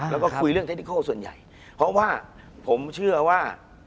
แล้วก็คุยเรื่องเทคนิโคส่วนใหญ่เพราะว่าผมเชื่อว่า